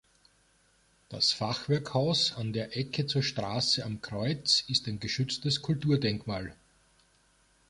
Das Fachwerkhaus an der Ecke zur Straße "Am Kreuz" ist ein geschütztes Kulturdenkmal.